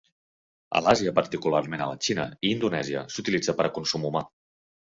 A l’Àsia, particularment a la Xina i Indonèsia, s’utilitza per a consum humà.